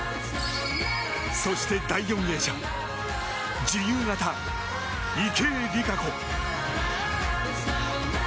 そして第４泳者自由形、池江璃花子。